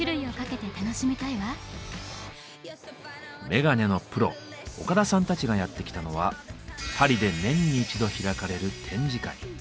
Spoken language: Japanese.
メガネのプロ岡田さんたちがやってきたのはパリで年に一度開かれる展示会。